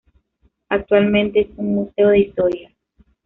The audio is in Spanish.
Actualmente es un museo de historia.